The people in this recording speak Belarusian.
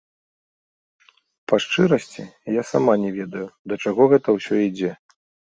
Па шчырасці, я самая не ведаю, да чаго гэта ўсё ідзе.